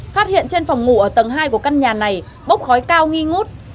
phát hiện trên phòng ngủ ở tầng hai của căn nhà này bốc khói cao nghi ngút